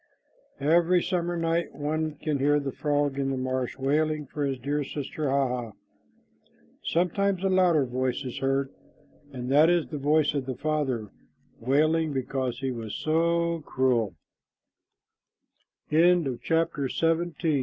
Every summer night one can hear the frog in the marsh wailing for his dear sister Hah hah. Sometimes a louder voice is heard, and that is the voice of the father wailing because he was so crue